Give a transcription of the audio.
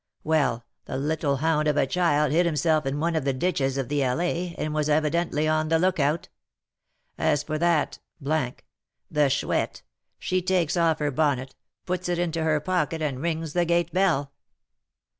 Well, the little hound of a child hid himself in one of the ditches of the Allée, and was evidently on the lookout. As for that , the Chouette, she takes off her bonnet, puts it into her pocket, and rings the gate bell.